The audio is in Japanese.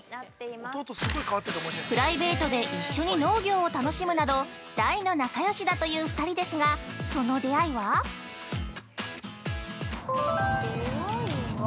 プライベートで一緒に農業を楽しむなど大の仲よしだという２人ですがその出会いは◆出会いは◆